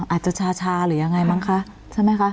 อาจจะชาหรือยังไงมั้งคะใช่ไหมคะ